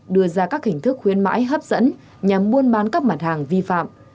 đưa ra các hình thức khuyến mãi hấp dẫn nhằm buôn bán các mặt hàng vi phạm